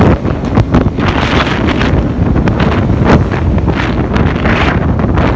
เมื่อเกิดขึ้นมันกลายเป้าหมายเป้าหมายเป้าหมาย